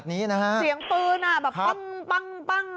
เสียงปืนอ่ะแบบปั้งอ่ะ